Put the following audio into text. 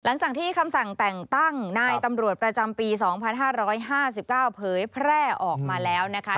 หลังจากที่คำสั่งแต่งตั้งนายตำรวจประจำปี๒๕๕๙เผยแพร่ออกมาแล้วนะคะ